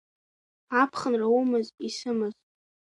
Аԥхынра умаз, исымаз.